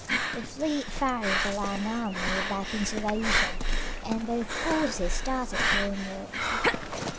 The fleet ferried the land army back into Asia, and both forces started homeward.